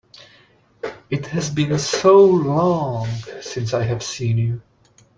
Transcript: It has been so long since I have seen you!